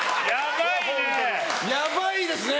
ヤバいですね！